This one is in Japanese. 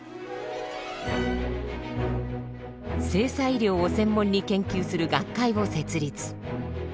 性差医療を専門に研究する学会を設立。